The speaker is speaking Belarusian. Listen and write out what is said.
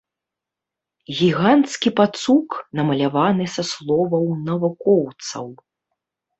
Гіганцкі пацук, намаляваны са словаў навукоўцаў.